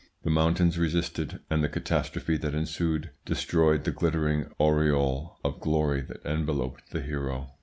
The mountains resisted, and the catastrophe that ensued destroyed the glittering aureole of glory that enveloped the hero.